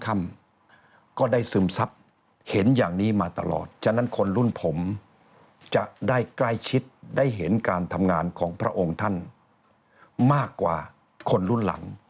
ก็ได้ซึมซับเห็นอย่างนี้มาตลอดฉะนั้นคนรุ่นผมจะได้ใกล้ชิดได้เห็นการทำงานของพระองค์ท่านมากกว่าคนรุ่นหลัง